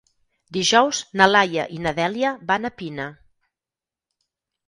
Dijous na Laia i na Dèlia van a Pina.